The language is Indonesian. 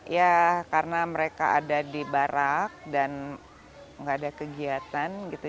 ya karena mereka ada di barak dan nggak ada kegiatan gitu